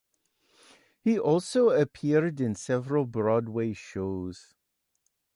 He also appeared in several Broadway shows.